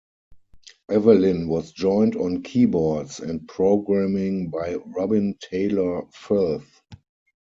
Evelyn was joined on keyboards and programming by Robin Taylor-Firth.